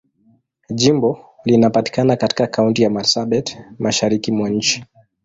Jimbo linapatikana katika Kaunti ya Marsabit, Mashariki mwa nchi.